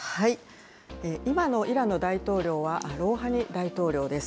今のイランの大統領は、ロウハニ大統領です。